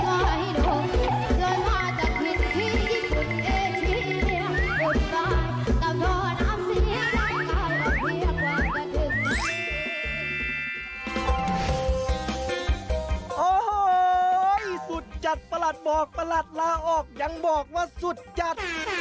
โอ้โหสุดจัดประหลัดบอกประหลัดลาออกยังบอกว่าสุดจัด